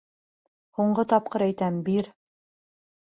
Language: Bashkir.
Һуңғы тапҡыр әйтәм: бир!